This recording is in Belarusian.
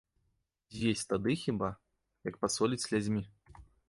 З'есць тады хіба, як пасоліць слязьмі.